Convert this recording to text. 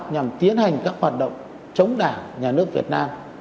nhằm tiến hành các hoạt động chống đảng nhà nước việt nam